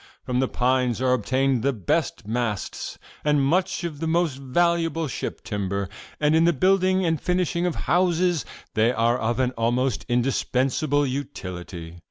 'From the pines are obtained the best masts and much of the most valuable ship timber, and in the building and finishing of houses they are of almost indispensable utility.